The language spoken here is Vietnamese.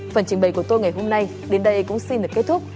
phần trình bày của tôi ngày hôm nay đến đây cũng xin được kết thúc